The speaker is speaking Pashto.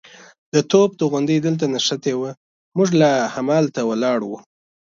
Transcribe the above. د توپ توغندی دلته نښتې وه، موږ لا همالته ولاړ وو.